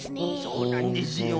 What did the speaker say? そうなんですよ。